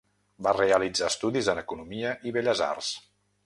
Va realitzar estudis en Economia i Belles Arts.